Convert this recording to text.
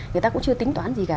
người ta cũng chưa tính toán gì cả